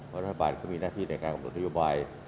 รอบราบาทก็มีน่าที่ในการองค์ปรอบบาย